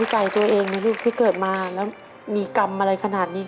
ใจตัวเองไหมลูกที่เกิดมาแล้วมีกรรมอะไรขนาดนี้